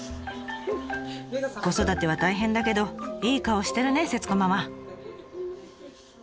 子育ては大変だけどいい顔してるね節子ママ。